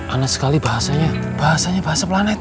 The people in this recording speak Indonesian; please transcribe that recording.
aneh sekali bahasanya bahasanya bahasa planet